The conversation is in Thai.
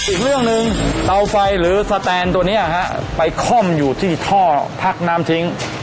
อีกเรื่องหนึ่งเตาไฟหรือสแตนตัวนี้ไปค่อมอยู่ที่ท่อพักน้ำทิ้ง